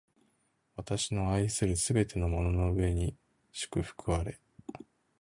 私の愛するすべてのものの上に祝福あれ！